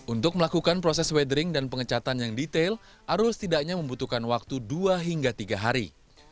untuk melakukan proses weathering dan pengecatan yang detail arul setidaknya membutuhkan waktu dua hingga tiga hari